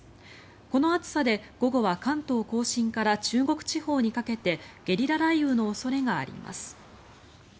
この暑さで、午後は関東・甲信から中国地方にかけてゲリラ雷雨の恐れがあります。